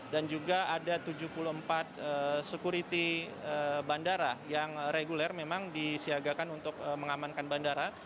dan juga ada tujuh puluh empat security bandara yang reguler memang disiagakan untuk mengamankan bandara